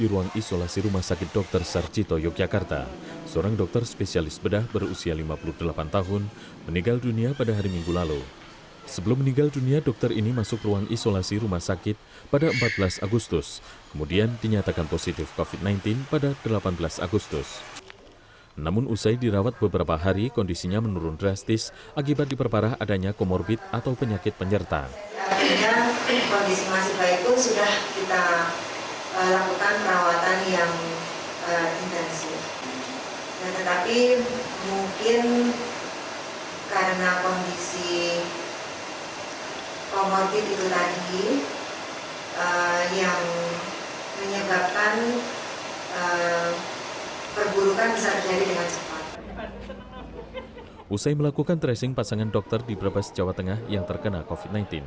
usai melakukan tracing pasangan dokter di berbas jawa tengah yang terkena covid sembilan belas